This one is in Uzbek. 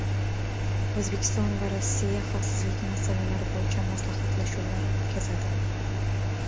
O‘zbekiston va Rossiya xavfsizlik masalalari bo‘yicha maslahatlashuvlar o‘tkazadi